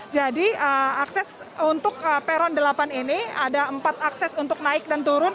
jadi akses untuk peron delapan ini ada empat akses untuk naik dan turun